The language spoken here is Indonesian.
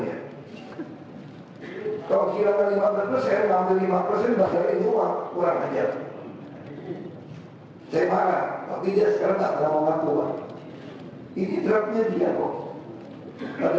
yang berhubungan dengan reklamasi siasat